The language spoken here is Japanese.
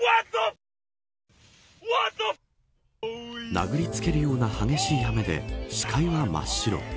殴り付けるような激しい雨で視界が真っ白。